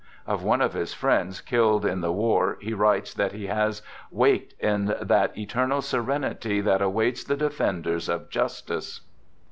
Of one of his friends killed in the war he writes that he has " waked in that eternal serenity that awaits the defenders of justice."